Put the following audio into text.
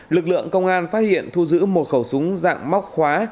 lực lượng công an phát hiện thu giữ một khẩu súng dạng móc khóa